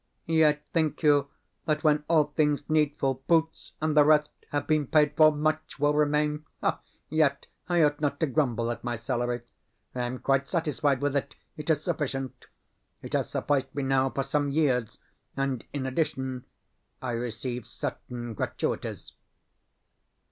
Yet think you that, when all things needful boots and the rest have been paid for, much will remain? Yet I ought not to grumble at my salary, I am quite satisfied with it; it is sufficient. It has sufficed me now for some years, and, in addition, I receive certain gratuities.